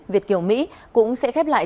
việt kiều mỹ cũng sẽ khép lại